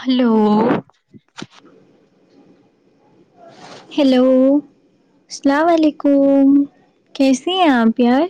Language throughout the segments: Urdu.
ہیلو ہیلو السلام علیکم کیسیے ہیں آپ یار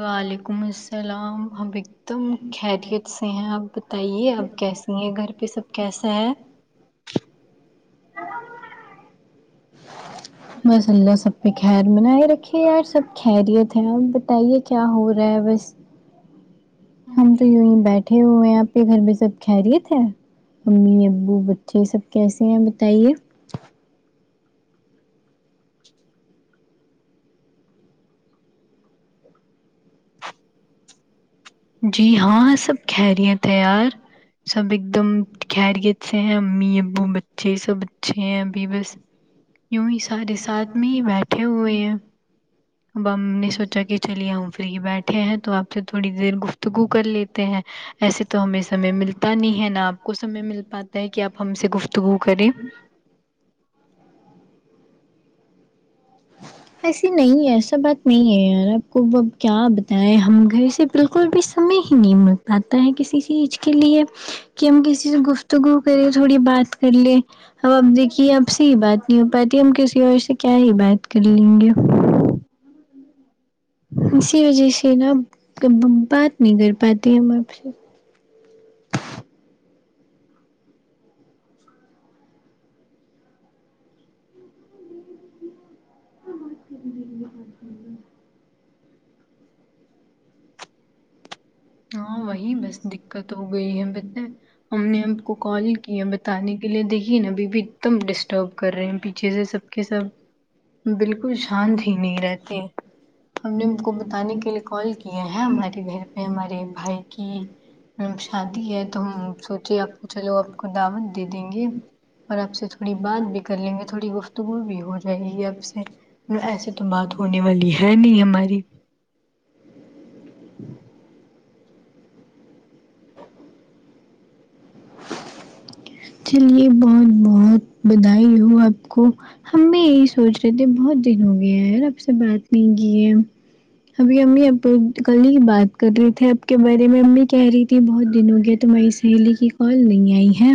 وعلیکم السلام ہم ایک دم خیریت سے ہیں آپ بتائیے اپ کیسے یہ گھر پہ سب کیسا ہے [unintelligible] بس اللہ سب کے خیر بنائے رکے یار سب خیریت ہے آپ بتائیے کیا ہو رہا ہے بس ہم تو یونہی بیٹھے ہوئے ہیں آپ کے گھر میں سب خیریت امی ابو با جی سب کیسیے ہیں بتائیے جی ہاں سب خیریت ہے یار سب ایک دم خریت سے ہیں امی ابو بچے سب اچھے ہیں ابھی بس یوں ہی سارے ساتھ میں ہی بیٹھے ہوئے ہیں اب ہم نے سوچا کہ چلیے ا پھر ہی بیٹھے ہیں تو آپ سے تھوڑی دیر گوف گفتگو کر لیتے ہیں ایسے تو ہمیں سمے ملتا نہیں ہے نہ آپ کو سمے مل پاتا ہے کہ آپ ہم سے گفتگو کریں ایسے نہیں ایسا بات نہیں ہے یار آپ کو اب کیا بتائے ہم گھر سے بالکل بھی سمے ہی نہیں مل پاتا ہے کسی چیز کے لیے کہ ہم کسی سے گفتگو کر کے تھوڑی بات کر لے اب اب دیکھیے اب سے ہی بات نہیں ہو پاتی ہم کسی اور سے کیا ہی بات کر لیں گے اسی وجہ سے نہ بات نہیں کر پاتے ہم آپ سے [unintelligible] ہاں وہی بس دقت ہو گئی ہے بتے ہم نے آپ کو کال کیا بتانے کے لیے دیکھیے نا ابھی بھی ایک دم ڈسٹرب کر رہے ہیں پیچھے سے سب کہ سب بالکل شانت ہی نہیں رہتے ہم نے ان کو بتانے کے لیے کال کیا ہے ہمارے گھر پہ ہمارے بھائی کی شادی ہے تو ہم سوچے آپ کو چلو آپ کو دعوت دے دیں گے اور آپ سے تھوڑی بات بھی کر لیں گے تھوڑی گفت ٹوگو وہ بھی ہو جائے گی اب سے ایسے تو بات ہونے والی ہے نہیں ہماری چلیے بہت بہت بدائی ہوں آپ کو ہم بھی یہی سوچ رہے تھے بہت دن ہو گیا یار آپ سے بات نہیں کی ہے ابھی امی اب کل ہی بات کر رہی تھے اب کے بارے میں امی کہہ رہی تھی بہت دن ہو گیا تو میں سہیلی کی کال نہیں آئی ہے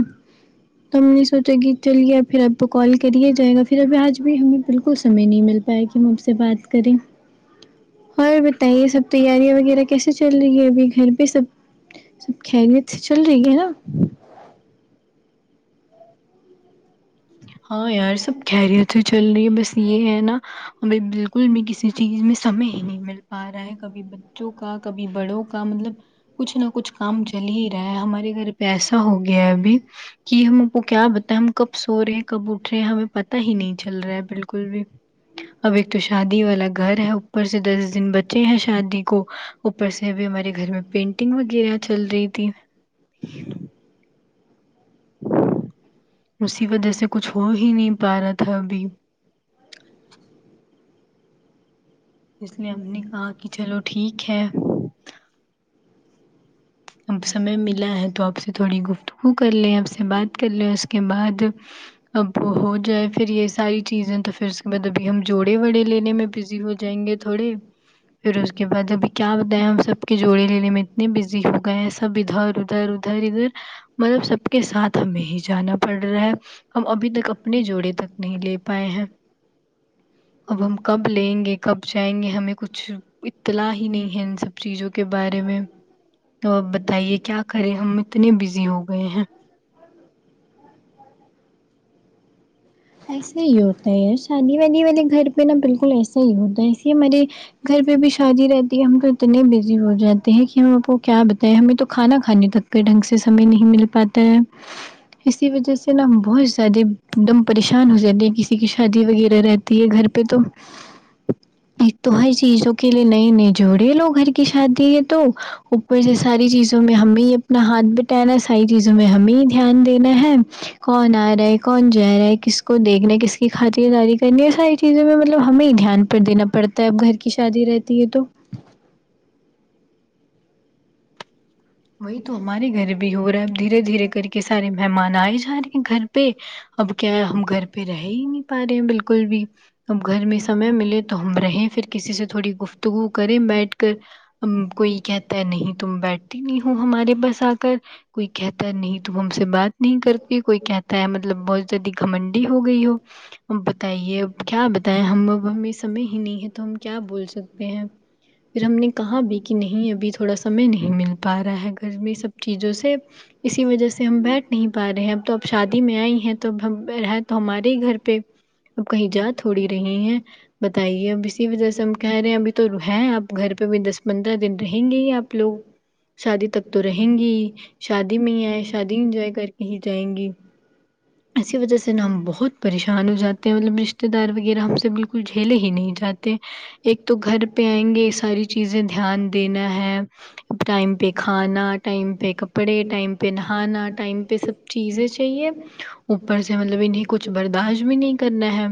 تو ہم نے سوچو گ چلییا پھر اب تو کال کریے جائے گا پھر ابھی آج بھی ہمیں بالکل سمے نہیں مل پایا کہ ہم آپ سے بات کریں اور بتائیے سب تیاریاں وغیرہ کیسے چل رہی ہے ابھی گھر پہ سب سب خیریت سے چل رہی ہے نا ہاں یار سب خیریت سے تو چل رہی ہے بس یہ ہے نا بھائی بالکل بھی کسی چیز میں سمے ہی نہیں مل پا رہا ہے کبھی بچوں کا کبھی بڑوں کا مطلب کچھ نہ کچھ کام چل ہی رہا ہے ہمارے گھر پیسا ہو گیا ہے ابھی کہ ہم آ کو کیا بت ہم کب سو رہے ہیں کب اٹھ رہے ہیں ہمیں پت پتا ہی نہیں چل رہا ہے بالکل بھی اب ایک تو شادی والا گھر ہے اوپر سے دس دن بچے ہیں شادی کو اوپر سے ابھی ہمارے گھر میں پینٹنگ وغیرہ چل رہی تھی اسی وجہ سے کچھ ہو ہی نہیں پا رہا تھا ابھی اس لیے ہم نے کہا کہ چلو ٹھیک ہے اب سمے ملا ہے تو آپ سے تھوڑی گفتگ وہ کر لیں آپ سے بات کر لیں اس کے بعد اب وہ ہو جائے پھر یہ ساری چیزیں تو پھر اس کے بعد ابھی ہم جوڑے وڑے لینے میں بزی ہو جائیں گے تھوڑے پھر اس کے بعد ابھی کیا بتائیں ہم سب کے جوڑے لینے میں اتنے بزی ہو گ یے سب ادھر ادھر ادھر ادھر مطلب سب کے ساتھ ہمیں ہی جانا پڑ رہا ہے ہم ابھی تک اپنے جوڑے تک نہیں لے پائے ہیں اب ہم کب لیں گے کب جائیں گے ہمیں کچھ اطلاع ہی نہیں ہے ان سب چیزوں کے بارے میں تو اب بتائیے کیا کریں ہم اتنے بزی ہو گئے ہیں ایسا ہی ہوتا ہے یار شادی وادی والے گھر پہ نا بالکل ایسا ہی ہوتا ہے اسلئے میں نے گھر پہ بھی شادی رہتی ہے ہم تو اتنے بزی ہو جاتے ہیں کہ ہم آپ کو کیا بتائے ہمیں تو کھانا کھانے تک کے ڈھنگ سے سمے نہیں مل پاتا ہے اسی وجہ سے نا بہت زیادہ دم پریشان ہو جاتی ہے کسی کی شادی وغیرہ رہتی ہے گھر پہ تو تو ہر چیزوں کے لیے نئے نئے جوڑے لو گھر کی شادی یہ تو اوپر سے ساری چیزوں میں ہمیں یہ اپنا ہاتھ بٹانا ساری چیزوں میں ہمیں دھیان دینا ہے کون آ رہا ہے کون جا رہا ہے کس کو دیکھنے کس کی خاطرداری یہ ساری چیزوں میں مطلب ہمیں ہی دھیان پہ دینا پڑتا ہے اب گھر کی شادی رہتی ہے تو وہی تو ہمارے گھر بھی ہو رہا ہے اب دھیرے دھیرے کر کے سارے مہمان آئے جا رہے ہیں گھر پہ اب کیا ہم گھر پہ رہ ہی نہیں پا رہے ہیں بالکل بھی اب گھر میں سمے ملے تو ہم رہیں پھر کسی سے تھوڑی گفت تو وہ کرے بیٹھ کر کوئی کہتا ہے نہیں تم بیٹھ نہیں ہوں ہمارے پس آ کر کوئی کہ نہیں تو ہم سے بات نہیں کرتی کوئی کہتا ہے مطلب بہت زیادہ گھمنڈی ہو گئی ہو اب بتائیے اب کیا بتائے ہم ا ہمیں سمے ہی نہیں ہے تو ہم کیا بول سکتے ہیں پھر ہم نے کہا بھی کہ نہیں ابھی تھوڑا سمے نہیں مل پا رہا ہے گھر میں سب چیزوں سے اسی وجہ سے ہم بیٹھ نہیں پا رہے ہیں تو اب شادی میں آئی ہیں تو ہے تو ہمارے ہی گھر پہ اب کہیں جا تھوڑی رہی ہے بتائیے اب اس ی وجہ سے ہم کہہ رہے ہیں ابھی تو ہیں آپ گھر پہ بھی دس پندرہ دن رہیں گے ہی آپ لوگ شادی تک تو رہیں گی ہی شادی میں ہی آئے شادی انجوائے کر کے ہی جائیں گی اسی وجہ سے نا ہم بہت پریشان ہو جاتے ہیں مطلب رشتے دار بھی یر ہم سے بالکل جھیلے ہی نہیں جاتے ایک تو گھر پہ آئیں گے یہ ساری چیزیں دھیان دینا ہے ٹائم پہ کھانا ٹائم پہ کپ ڑے ٹائم پہ نہانا ٹائم پہ سب چیزیں چاہیے اوپر سے مطلب انہیں کچھ برداشت بھی نہیں کرنا ہے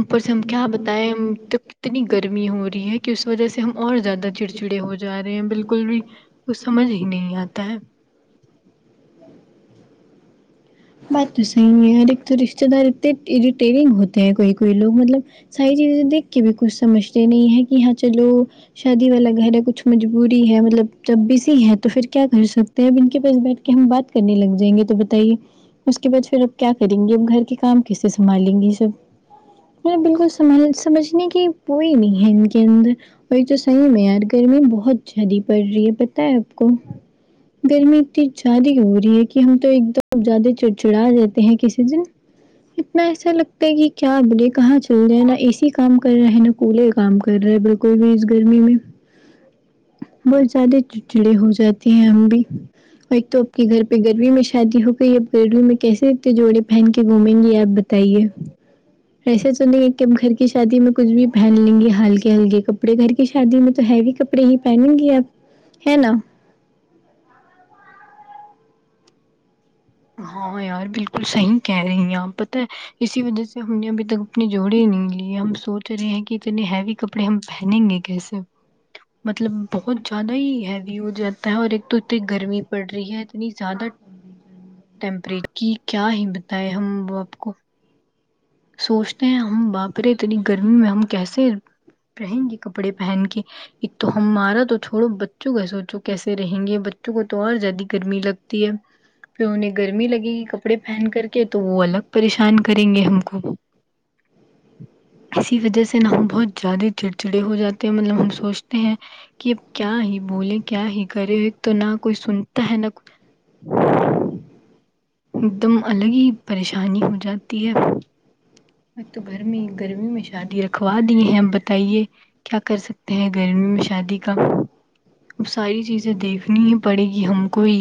اوپر سے ہم کیا بتائیں تو کتنی گرمی ہو رہی ہے کہ اس وجہ سے ہم اور زیادہ چھڑچیھڑے ہو جا رہے ہیں بالکل بھی کچھ سمجھ ہی نہیں آتا ہے بات تو صحیح ہے ور ایک تو رشتے دار اتے ارری ٹیرنگ ہوتے ہیں کوئی کوئی لوگ مطلب ساری چیزیں دیکھ کے بھی کچھ سمجھتے نہیں ہے کہ ہاں چلو شادی والا گھر ہے کچھ مجبوری ہے مطلب جب بزی ہے تو پھر کیا کر سکتے کے اب ان کے پاس بیٹھ کے ہم بات کرنے لگ جائیں گے تو بتائیے اس کے بعد پھر اب کیا کریں گے اب گھر کے کام کیسے سنبھالیں گی یہ سب بالکل سمج سمجھنے کی کوئی نہیں ہے ان کے اندر وہی تو صحیح میں یار گرمی بہت زیادی پڑ رہی ہے پتہ ہے آپ کو گرمی اتنی زیادی ہو رہی ہے کہ ہم تو ایک دم زیادہ چڑ چڑا دیتے ہیں کسی دن اتنا ایسا لگتا ہے کہ کیا بولے کہاں چل جائے نا اے سی کام کر رہے ہیں نا کولر کام کر رہے ہیں بالکل بھی اس گرمی میں بہت زیادہ چچڑی ہو جاتی ہیں ہم بھی اور ایک تو آپ کے گھر پہ گرمی میں شادی ہو گئی اب ریڈوی میں کیسے اتے جوڑے پہن کے گھومیں گی آپ بتائیے ایسے تو نہیں ہیں کہ گھر کی شادی میں کچھ بھی پہن لیں گی ہلکے ہلکے کپڑے گھر کی شادی میں تو ہیوی کپڑے ہی پہنیں گی اپ ہے نا ہاں یار بالکل صحیح کہہ رہی ہیں آپ پتا ہے اسی وجہ سے ہم نے ابھی تک اپنی جوڑے ہی نہیں لیے ہم سوچ رہے ہیں کہ اتنے ہیوی کپڑے ہم پہنیں گے کیسے مطلب بہت زیادہ ہی ہیوی ہو جاتا ہے اور ایک تو اتنی گرمی پڑ رہی ہے اتنی زیادہ ٹیمپریر کی کیا ہی ہم بتائے ہم وہ آپ کو سوچتے ہیں ہم باپرے اتنی گرمی میں ہم کیسے رہیں گے کپڑے پہن کے ایک تو ہمارا تو چھوڑو بچوں کا سوچو کیسے رہیں گے بچوں کو تو اور زیادہ گرمی لگتی ہے پھر انہیں گرمی لگے گی کپڑے پہن کر کے تو وہ الگ پریشان کریں گے ہم اسی وجہ سے نہ ہم بہت زیادہ چڑچڑے ہو جاتے ہیں مطلب ہم سوچتے ہیں کہ اب کیا ہی بولے کیا ہی کرے تو نہ کوئی سنتا ہے نہ ایک دم الگ ہی پریشانی ہو جاتی ہے ا تو گھر میں گرمی میں شادی رکھوا دی ہیں اب بتائیے کیا کر سکتے ہیں گرمی میں شادی کا ا ساری چیزیں دیکھنی ہی پڑے گی ہم کوئی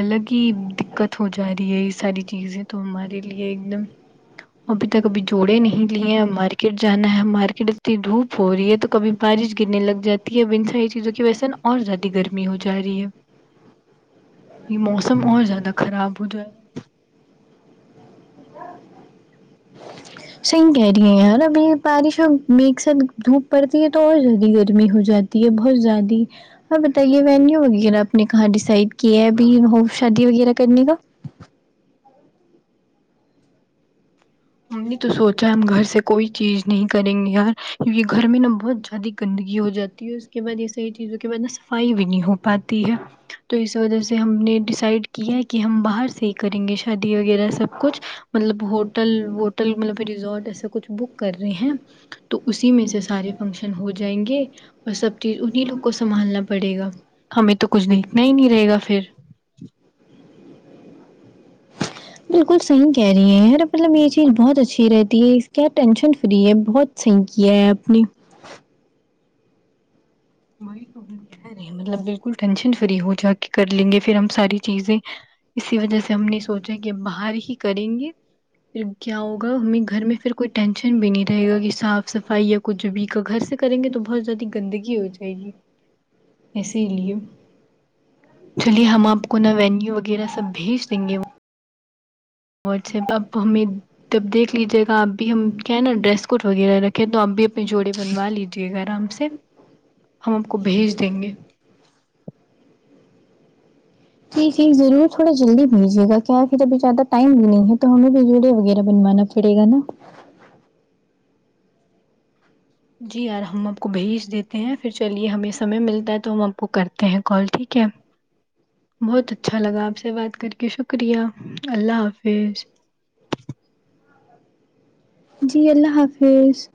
الگ ہی دکھ دقت ہو جا رہی ہے یہ ساری چیزیں تو ہمارے لیے ایک دم ابھی تک ابھی جوڑے نہیں لی ہیں مارکیٹ جانا ہے مارکیٹ اتنی دھوپ ہو رہی ہے تو کبھی بارش گرنے لگ جاتی ہے ا ان ساری چیزوں کی وجہ سے نا اور زیادہ گرمی ہو جا رہی ہے یہ موسم اور زیادہ راب ہو جا صحیح کہہ رہی ہیں یار ابھی یہ بارشوں میں ایک ساتھ دھوپ پڑتی ہے تو اور زیادہ گرمی ہو جاتی تی ہے بہت زیادہ ہاں بتائیے وینیو وغیرہ آپ نے کہاں ڈیسائڈ کیا ہے ابھی وہ شادی وغیرہ کرنے کا ممی تو سوچا ہم گھر سے کوئی چیز نہیں کریں گے یار کیونکہ گھر میں نا بہت جیادی گندگی ہو جاتی ہے اس کے بعد یہ صحیح چیزوں کے بعد نا سفائی بھی نہیں ہو پاتی ہے تو اس وجہ سے ہم نے ڈسائڈ کیا ہے کہ ہم باہر سے ہی کریں گے شادی وغیرہ سب کچھ مطلب ہوٹل وٹل مطلب ریزورٹ ایسا کچھ بک کر رہے ہیں تو اسی میں سے سارے فنکشن ہو جائیں گے اور سب چیز انھیں لوگ کو سنبھالنا پڑے گا ہمیں تو کچھ دیکھنا ہی نہیں رہے گا پھر بالکل صحیح کہہ رہی ہیں ا مطلب یہ چیز بہت اچھی رہتی ہے اس کیا ٹینشن فری ہے بہت صحیح کیا ہے اپ نے وہی تو [unintelligible] مطلب بالکل ٹینشن فری ہو جا کے کر لیں گے پھر ہم ساری چیزیں اسی وجہ سے ہم نے سوچا کہ باہر ہی کریں گے پھر کیا ہوگا ہمیں گھر میں پھر کوئی ٹینشن بھی نہیں رہے گا کہ صاف صفائی یا کچھ بھی گ گھر سے کریں گے تو بہت زیادہ گندگی ہوجا یگی اسی لیے چلیے ہم آپ کو نہ وینیو وغیرہ سب بھیج دیں گے وہ واٹس ایپ آپ ہمیں تب دیکھ لیجیے گا اب بھی ہم کیا ہے نا ڈریس کوٹ وغیرہ رکھے تو اب بھی اپنے جوڑے بنوا لیجیے گا آرام سے ہم آپ کو بھیج دیں گے جی جی ضرور تھوڑا جلدی بھیجیے گا کیا ہے کہ پھر ابھی زیادہ ٹائم بھی نہیں ہے تو ہمیں بھی جوڑے وغیرہ بنوانا تھا پڑے گا نا جی یار ہم آپ کو بھیج دیتے ہیں پھر چلیے ہمیں سمے ملتا ہے تو ہم آپ کو کرتے ہیں کال ٹھیک ہے بہت اچھا لگا آپ سے بات کر کے شکریہ اللہ حافظ جی اللہ حافظ